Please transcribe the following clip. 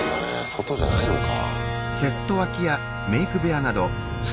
外じゃないのか。